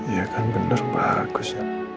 iya kan bener bagus